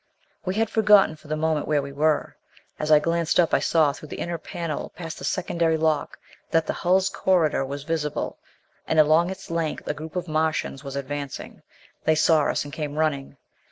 We had forgotten for the moment where we were. As I glanced up I saw through the inner panel, past the secondary lock, that the hull's corridor was visible. And along its length a group of Martians was advancing! They saw us, and came running.